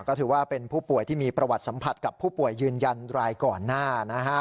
ก็ถือว่าเป็นผู้ป่วยที่มีประวัติสัมผัสกับผู้ป่วยยืนยันรายก่อนหน้านะฮะ